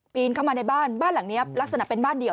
เข้ามาในบ้านบ้านหลังนี้ลักษณะเป็นบ้านเดี่ยว